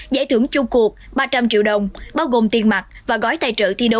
giải thưởng chung cuộc ba trăm linh triệu đồng bao gồm tiền mặt và gói tay